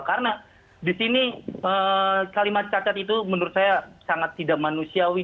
karena di sini kalimat cacat itu menurut saya sangat tidak manusiawi